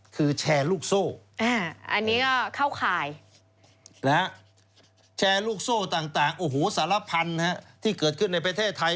คือแชร์ลูกโซ่แชร์ลูกโซ่ต่างสารพันธุ์ที่เกิดขึ้นในประเทศไทย